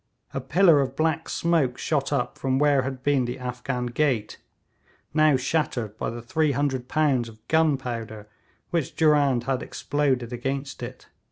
A pillar of black smoke shot up from where had been the Afghan gate, now shattered by the 300 pounds of gunpowder which Durand had exploded against it.